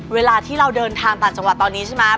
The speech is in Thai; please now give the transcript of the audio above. เวลาที่เราเดินทางต่างจังหวัดตอนนี้ใช่ไหม